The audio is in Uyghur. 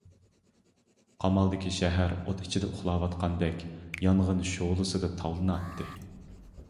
قامالدىكى شەھەر ئوت ئىچىدە ئۇخلاۋاتقاندەك يانغىن شولىسىدا تاۋلىناتتى.